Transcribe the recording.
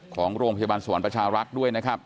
ของโรงพยาบาลสวรรค์ประชารักษ์ด้วยนะครับ